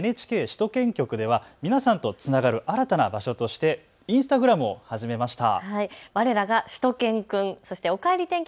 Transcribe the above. ここでちょっとお知らせがあるんですがＮＨＫ首都圏局では皆さんとつながる新たな場所としてインスタグラムを始めました。